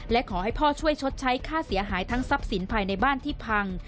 และขอให้พ่อช่วยชดใช้ค่าเสียหายทั้งทรัพย์สินภายในบ้านที่พัง